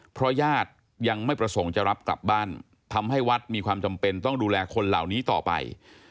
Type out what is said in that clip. เพราะญาติยังไม่ประสงค์จะรับกลับบ้านทำให้วัดมีความจำเป็นต้องดูแลคนเหล่านี้ต่อไป